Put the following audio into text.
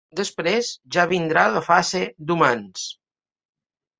Després ja vindrà la fase d’humans.